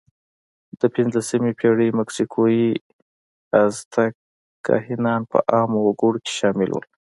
د پینځلسمې پېړۍ مکسیکويي آزتک کاهنان په عامو وګړو کې شامل وو.